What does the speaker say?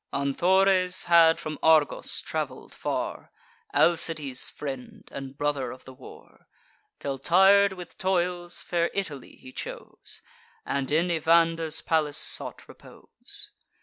Anthores had from Argos travel'd far, Alcides' friend, and brother of the war; Till, tir'd with toils, fair Italy he chose, And in Evander's palace sought repose.